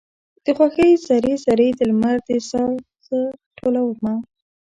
د خوښۍ ذرې، ذرې د لمر د ساه څه ټولومه